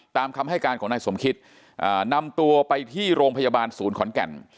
ตามคำให้การของนายสมคิตนำตัวไปที่โรงพยาบาลศูนย์ขอนแก่น